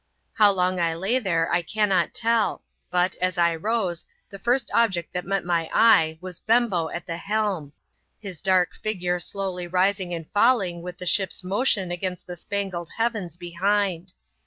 How long I lay there, I cannot tell ; but, as I rose, the first object that met my eye, was Bembo at the helm; his dark figure slowly rising and falling with the ship's motion against the spangled heavens behind.